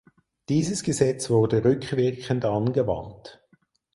Dieses Gesetz wurde rückwirkend angewandt.